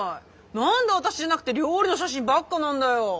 何で私じゃなくて料理の写真ばっかなんだよ！